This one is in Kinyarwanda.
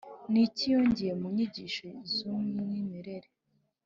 ni iki yongeye mu nyigisho z’umwimerere